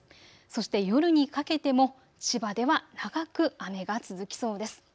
そして夜にかけても千葉では長く雨が続きそうです。